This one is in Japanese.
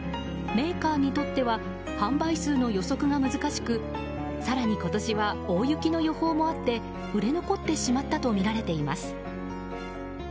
メーカーにとっては販売数の予測が難しく更に今年は大雪の予報もあって売れ残ってしまったとみられています。